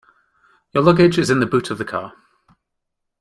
Your luggage is in the boot of the car.